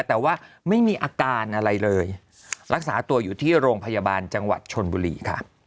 แต่ว่าไม่มีอาการอะไรเลยรักษาตัวอยู่ที่โรงพยาบาลจังหวัดชนบุรีค่ะ